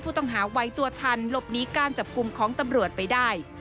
ผู้ต้องหาไวตัวทันหลบหนีการจับกลุ่มของตำรวจไปได้